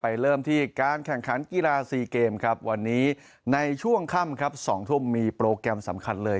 เริ่มที่การแข่งขันกีฬาซีเกมครับวันนี้ในช่วงค่ำครับ๒ทุ่มมีโปรแกรมสำคัญเลย